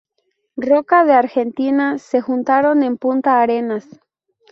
Roca de Argentina se juntaron en Punta Arenas.